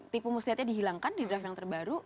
tipu musiatnya dihilangkan di draft yang terbaru